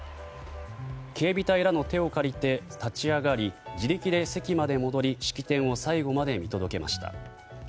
警備隊らの手を借りて立ち上がり自力で席まで戻り式典を最後まで見届けました。